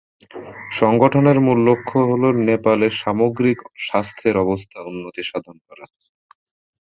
সংগঠনের মূল লক্ষ্য হ'ল নেপালের সামগ্রিক স্বাস্থ্যের অবস্থা উন্নতিসাধন করা।